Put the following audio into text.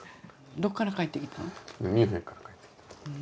どっから帰ってきたん？